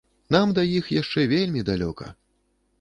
Нам да іх яшчэ вельмі далёка!